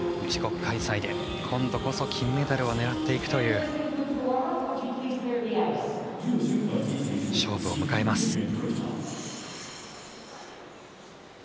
自国開催で今度こそ金メダルを狙っていくという勝負を迎えます。